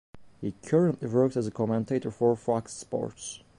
He currently works as a commentator for Fox Sports.